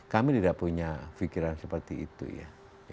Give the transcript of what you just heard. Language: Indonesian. kami tidak punya pikiran seperti itu ya